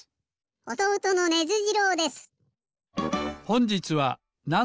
おとうとのネズ次郎です。